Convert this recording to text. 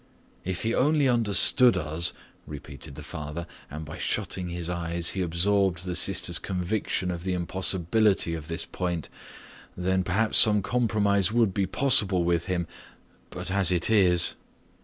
"If he only understood us," repeated the father and by shutting his eyes he absorbed the sister's conviction of the impossibility of this point, "then perhaps some compromise would be possible with him. But as it is.